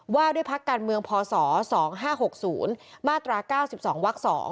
ว่าด้วยพักการเมืองพศ๒๕๖๐มาตรา๙๒วัก๒